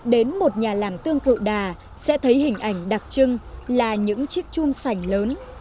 đến một nhà làm tương cử đà sẽ thấy hình ảnh đặc trưng là những chiếc chung sành lớn